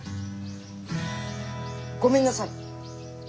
ごめんなさい！